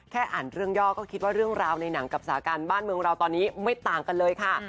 อ่านเรื่องย่อก็คิดว่าเรื่องราวในหนังกับสาการบ้านเมืองเราตอนนี้ไม่ต่างกันเลยค่ะ